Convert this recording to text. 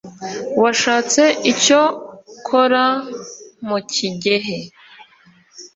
washatse icyokora mu kigehe